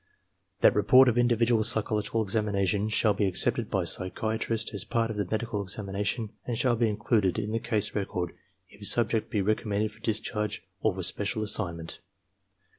(5) That reix)rt of individual psychological examination shall be accepted by psychiatrist as part of the medical examination and shall EXAMINER^S GUIDE 47 be included in the case record if subject be recommended for discharge or for special assignment.